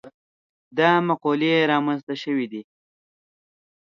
دا مقولې رامنځته شوي دي.